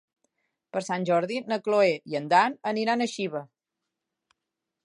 Per Sant Jordi na Cloè i en Dan aniran a Xiva.